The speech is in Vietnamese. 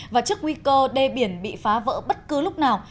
và trước nguy cơ đê biển bị phá vỡ bất cứ lúc nào